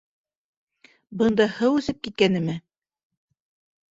— Бында һыу эсеп киткәнеме?